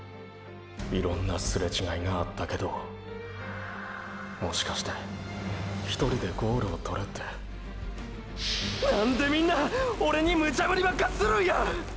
いろんなすれ違いがあったけどもしかして「一人でゴールを獲れ」って何でみんなオレにムチャぶりばっかするんや！！